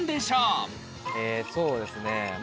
そうですね。